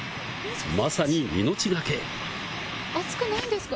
まさに命がけ。